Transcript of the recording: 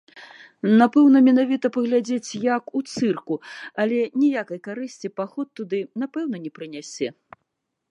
Напэўна, менавіта паглядзець, як у цырку, але ніякай карысці паход туды, напэўна, не прынясе.